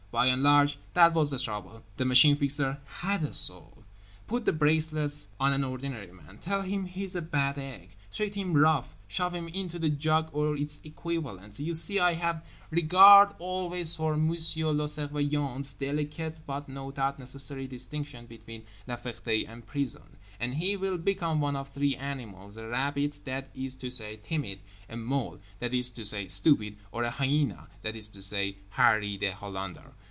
By and large, that was the trouble—the Machine Fixer had a soul. Put the bracelets on an ordinary man, tell him he's a bad egg, treat him rough, shove him into the jug or its equivalent (you see I have regard always for M. le Surveillant's delicate but no doubt necessary distinction between La Ferté and Prison), and he will become one of three animals—a rabbit, that is to say timid; a mole, that is to say stupid; or a hyena, that is to say Harree the Hollander.